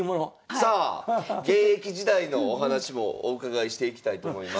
さあ現役時代のお話もお伺いしていきたいと思います。